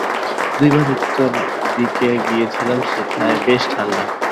দুই মাস উত্তর দিকে গিয়েছিলাম, সেথায় বেশ ঠাণ্ডা।